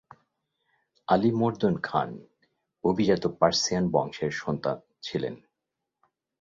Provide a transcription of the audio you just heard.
আলি মর্দান খান অভিজাত পার্সিয়ান বংশের সন্তান ছিলেন।